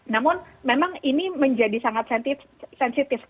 namun memang ini menjadi sangat sensitif